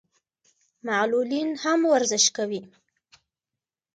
معلولین هم ورزش کوي.